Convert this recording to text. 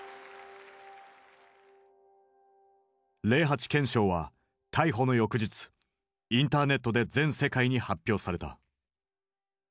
「零八憲章」は逮捕の翌日インターネットで全世界に発表された。